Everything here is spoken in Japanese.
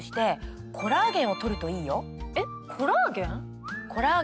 えっコラーゲン？